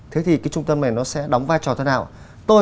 thế thì cái trung tâm này nó sẽ đóng vai trò thế nào